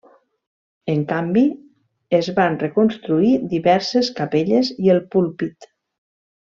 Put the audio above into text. En canvi, es van reconstruir diverses capelles i el púlpit.